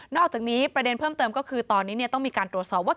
อกจากนี้ประเด็นเพิ่มเติมก็คือตอนนี้ต้องมีการตรวจสอบว่า